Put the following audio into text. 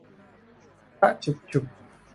พระฉึกฉึก